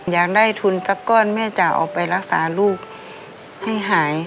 อยากได้ทุนสักก้อนแม่จะออกไปรักษาลูกให้หาย